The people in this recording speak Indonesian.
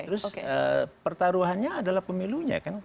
terus pertaruhannya adalah pemilunya kan